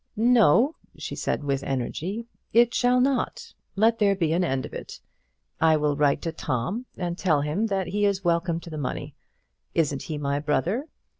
"No," she said, with energy, "it shall not; let there be an end of it. I will write to Tom, and tell him that he is welcome to the money. Isn't he my brother?